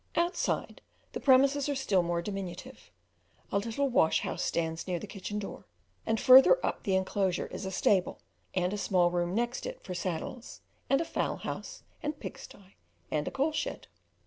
Outside, the premises are still more diminutive; a little wash house stands near the kitchen door, and further up the enclosure is a stable, and a small room next it for saddles, and a fowl house and pig stye, and a coal shed.